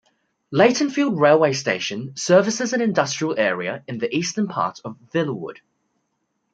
Leightonfield railway station services an industrial area in the eastern part of Villawood.